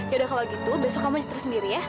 yaudah kalau gitu besok kamu aja tersendiri ya